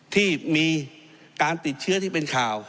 ที่มีการติดเชื้อที่เป็นข่าว